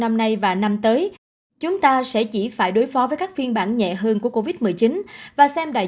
năm nay và năm tới chúng ta sẽ chỉ phải đối phó với các phiên bản nhẹ hơn của covid một mươi chín và xem đại